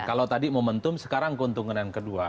kalau tadi momentum sekarang keuntungan yang kedua